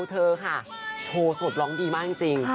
โชว์ส่วนร้องดีมากจริง